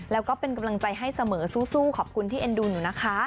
แล้วก็เป็นกำลังใจให้เสมอสู้ขอบคุณที่เอ็นดูหนูนะคะ